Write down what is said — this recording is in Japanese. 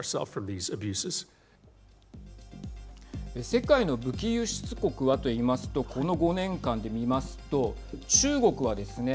世界の武器輸出国はと言いますとこの５年間で見ますと中国はですね